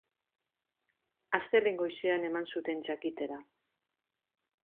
Astelehen goizean eman zuten jakitera.